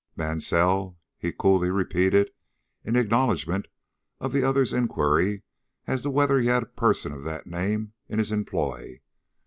"Mansell?" he coolly repeated, in acknowledgment of the other's inquiry as to whether he had a person of that name in his employ.